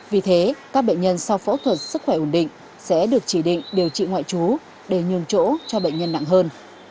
vì thế các bệnh nhân sau phẫu thuật sức khỏe ổn định sẽ được chỉ định điều trị ngoại trú để nhường chỗ cho bệnh nhân nặng hơn